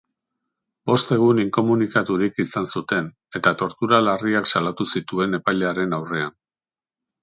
Bost egun inkomunikaturik izan zuten, eta tortura larriak salatu zituen epailearen aurrean.